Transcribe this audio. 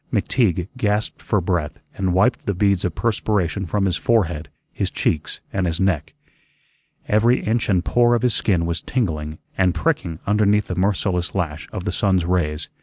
McTeague gasped for breath and wiped the beads of perspiration from his forehead, his cheeks, and his neck. Every inch and pore of his skin was tingling and pricking under the merciless lash of the sun's rays.